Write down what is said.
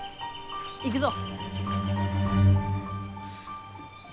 行くぞ。